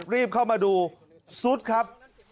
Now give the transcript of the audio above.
รีบเข้ามาดูซุดครับ